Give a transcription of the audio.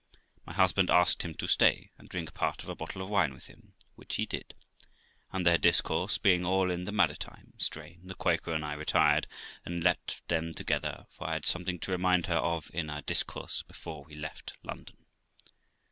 My husband asked him to stay and drink part of a bottle of wine with him, which he did ; and their discourse being all in the maritime strain, the Quaker and I retired, and left them together, for I had something to remind her of in our discourse before we left London.